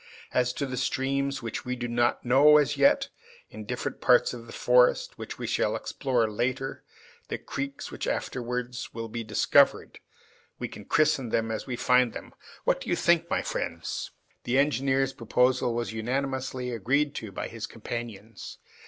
As to the streams which we do not know as yet, in different parts of the forest which we shall explore later, the creeks which afterwards will be discovered, we can christen them as we find them. What do you think, my friends?" The engineer's proposal was unanimously agreed to by his companions.